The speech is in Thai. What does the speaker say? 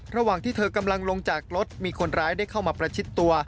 ระหว่างที่เธอกำลังลงจากรถมีคนร้ายได้เข้ามาประชิดตัว